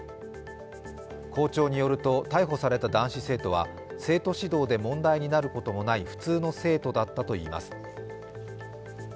校長によると、逮捕された男子生徒は生徒指導で問題になることもない普通の生徒だったといいます。